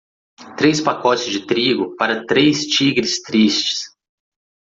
três pacotes de trigo para três tigres tristes